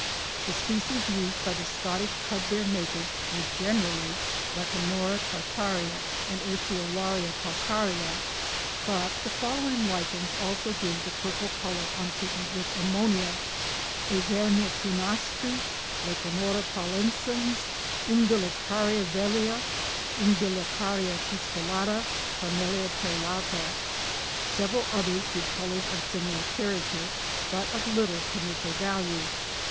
The Species used by the Scottish Cudbear makers were generally Lecanora tartarea and Urceolaria calcarea; but the following lichens also give the purple colour on treatment with ammonia: Evernia prunastri, Lecanora pallescens, Umbilicaria vellea, U. pustulata, Parmelia perlata. Several others give colours of similar character, but of little commercial value.